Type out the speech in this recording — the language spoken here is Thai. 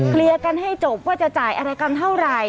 เคลียร์กันให้จบว่าจะจ่ายอะไรกันเท่าไหร่